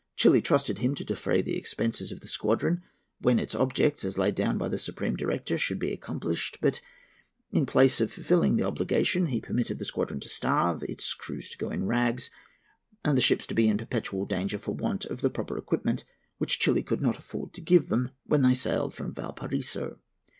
Chili trusted to him to defray the expenses of the squadron, when its objects, as laid down by the Supreme Director, should be accomplished; but, in place of fulfilling the obligation, he permitted the squadron to starve, its crews to go in rags, and the ships to be in perpetual danger for want of the proper equipment which Chili could not afford to give them when they sailed from Valparaiso.